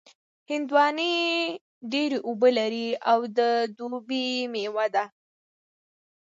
هندوانې ډېر اوبه لري او د دوبي مېوه ده.